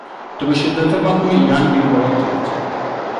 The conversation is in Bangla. তবে সিদ্ধান্তের মাধ্যমে ইয়ান এই লড়াইয়ে জিতেছে।